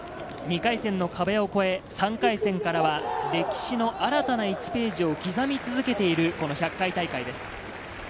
２回戦の壁を越え、３回戦からは歴史の新たな１ページを刻み続けている１００回大会です。